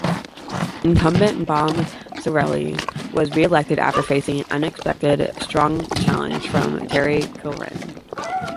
Incumbent Bob Chiarelli was reelected after facing an unexpectedly strong challenge from Terry Kilrea.